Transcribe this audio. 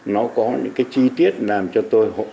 nó có những cái chi tiết làm cho tôi